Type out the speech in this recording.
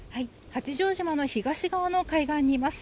八丈島の東側の海岸にいます。